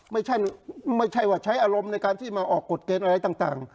ไม่ใช่ว่าใช้อารมณ์ในการที่มาออกกฎเกณฑ์อะไรต่าง